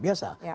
itu luar biasa